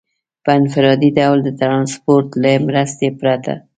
په انفرادي ډول د ټرانسپورټ له مرستې پرته.